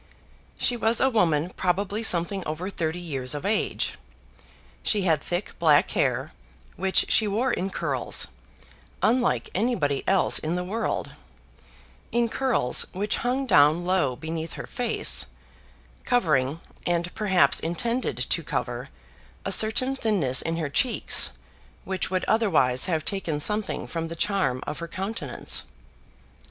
She was a woman probably something over thirty years of age. She had thick black hair, which she wore in curls, unlike anybody else in the world, in curls which hung down low beneath her face, covering, and perhaps intended to cover, a certain thinness in her cheeks which would otherwise have taken something from the charm of her countenance.